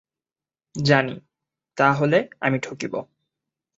জানি, তা হলে আমি ঠকব।